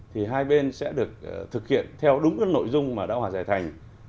thì hai bên sẽ được thực hiện theo đúng các nội dung mà đã hòa giải thành